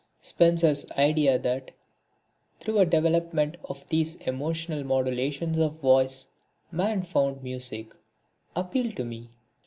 Spencer's idea that, through a development of these emotional modulations of voice, man found music, appealed to me.